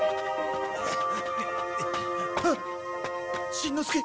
しんのすけ！